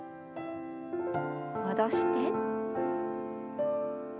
戻して。